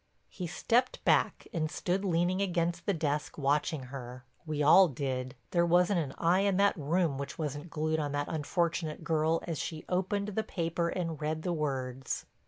He stepped back and stood leaning against the desk watching her. We all did; there wasn't an eye in that room which wasn't glued on that unfortunate girl as she opened the paper and read the words.